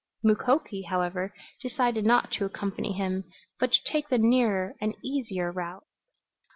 Mukoki, however, decided not to accompany him, but to take the nearer and easier route.